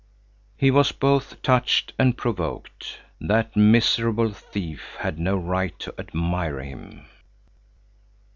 He was both touched and provoked. That miserable thief had no right to admire him.